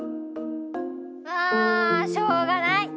あしょうがない。